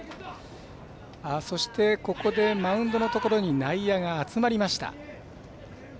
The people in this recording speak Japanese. そしてここでマウンドのところに内野が集まりました。